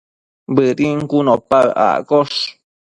Bëdin cun opa accosh